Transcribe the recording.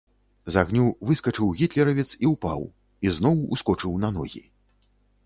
З агню выскачыў гітлеравец і ўпаў і зноў ускочыў на ногі.